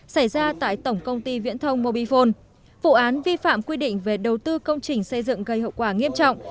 xảy ra tại tổng công ty viễn thông mobifone vụ án vi phạm quy định về đầu tư công trình xây dựng gây hậu quả nghiêm trọng